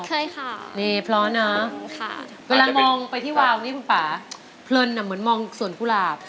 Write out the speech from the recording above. กำลังมองไปที่วาวป่าเผลินเหมือนมองสวนฟูหลาบ